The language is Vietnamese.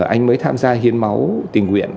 anh mới tham gia hiến máu tình nguyện